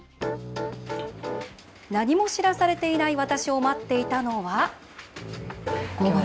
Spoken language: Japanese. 何も知らされていない私を待っていたのは。